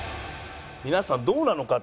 皆さんどうなのか？